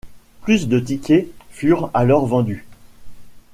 Plus de tickets furent alors vendus.